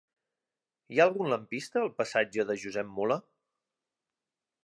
Hi ha algun lampista al passatge de Josep Mula?